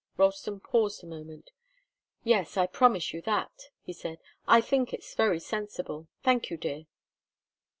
Ralston paused a moment. "Yes I promise you that," he said. "I think it's very sensible. Thank you, dear."